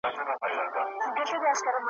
زما پر تا باندي اوس لس زره روپۍ دي `